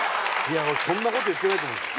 俺そんなこと言ってないと思うんす。